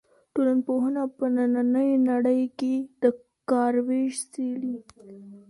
ټولنپوهنه په نننۍ نړۍ کې د کار وېش څېړي.